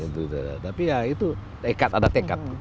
tapi ya itu tekad ada tekad